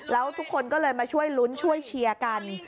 แล้วทุกคนก็เลยมาช่วยลุ้นช่วยเชียร์กัน